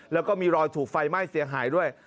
แล้วก็มีรอยถูกไฟไหม้เสียหายด้วย